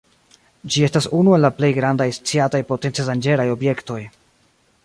Ĝi estas unu el la plej grandaj sciataj potence danĝeraj objektoj.